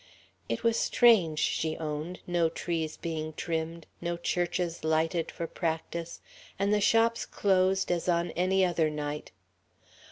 It was strange, she owned: no trees being trimmed, no churches lighted for practice, and the shops closed as on any other night.